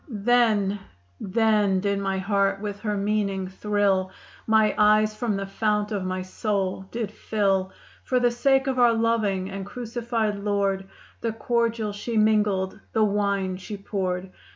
VI. Then, then did my heart with her meaning thrill: My eyes from the fount of my soul did fill. For the sake of our loving and Crucified Lord The cordial she mingled; the wine she poured.